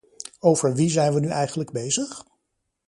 Over wie zijn we nu eigenlijk bezig?